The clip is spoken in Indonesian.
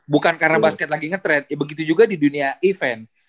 bukan karena basket lagi nge trend ya begitu juga di dunia event